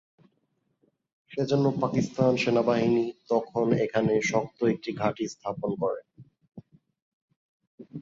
সেজন্য পাকিস্তান সেনাবাহিনী তখন এখানে শক্ত একটি ঘাঁটি স্থাপন করে।